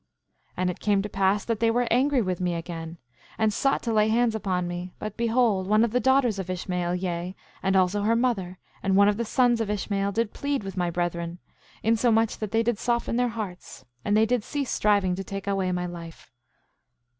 7:19 And it came to pass that they were angry with me again, and sought to lay hands upon me; but behold, one of the daughters of Ishmael, yea, and also her mother, and one of the sons of Ishmael, did plead with my brethren, insomuch that they did soften their hearts; and they did cease striving to take away my life.